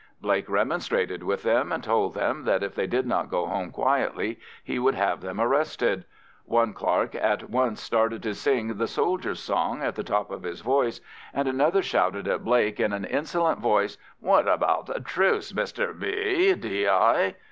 Blake remonstrated with them, and told them that if they did not go home quietly he would have them arrested. One clerk at once started to sing the "Soldier's Song" at the top of his voice, and another shouted at Blake in an insolent voice, "What about the truce, Mr B——, D.I.?"